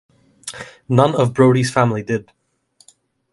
None of Brodie's family did.